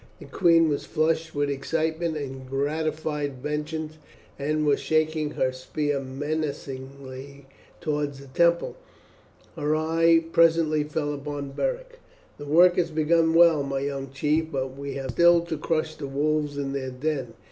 The queen was flushed with excitement and gratified vengeance, and was shaking her spear menacingly towards the temple; her eye presently fell upon Beric. "The work has begun well, my young chief, but we have still to crush the wolves in their den.